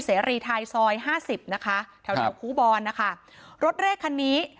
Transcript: เสรีไทยซอยห้าสิบนะคะแถวแถวคูบอลนะคะรถเลขคันนี้